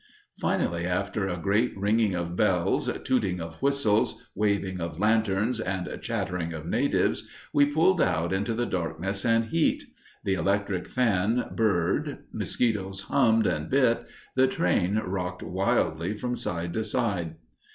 Finally, after a great ringing of bells, tooting of whistles, waving of lanterns, and chattering of natives, we pulled out into the darkness and heat. The electric fan burred, mosquitos hummed and bit, the train rocked wildly from side to side.